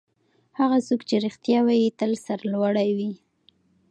هغه څوک چې رښتیا وايي تل سرلوړی وي.